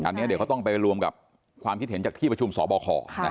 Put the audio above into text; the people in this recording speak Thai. อันนี้เดี๋ยวเขาต้องไปรวมกับความคิดเห็นจากที่ประชุมสบค